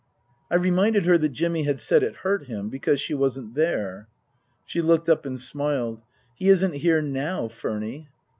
I reminded her that Jimmy had said it hurt him because she wasn't there. She looked up and smiled. " He isn't here now, Furny."